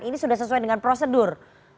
ini sudah sesuai dengan prosedur